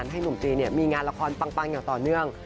ให้หนุ่มตรีมีงานละครปังอย่างต่อเนื่อง